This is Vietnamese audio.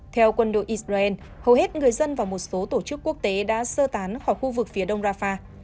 theo quân đội israel hầu hết người dân và một số tổ chức quốc tế đã sơ tán khỏi khu vực phía đông rafah